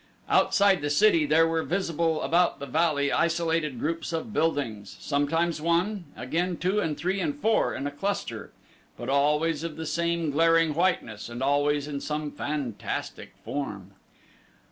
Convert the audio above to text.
Outside the city there were visible about the valley isolated groups of buildings sometimes one, again two and three and four in a cluster but always of the same glaring whiteness, and always in some fantastic form.